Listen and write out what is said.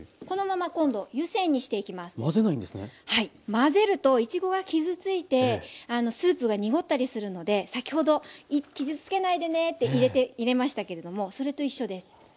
混ぜるといちごが傷ついてスープが濁ったりするので先ほど傷つけないでねって入れましたけれどもそれと一緒です。